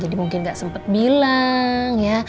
jadi mungkin nggak sempet bilang ya